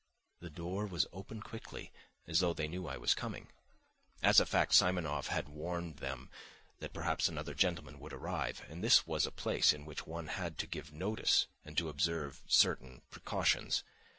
The door was opened quickly as though they knew I was coming. As a fact, Simonov had warned them that perhaps another gentleman would arrive, and this was a place in which one had to give notice and to observe certain precautions.